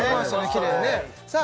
きれいにねさあ